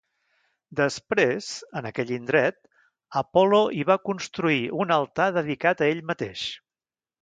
Després, en aquell indret, Apol·lo hi va construir un altar dedicat a ell mateix.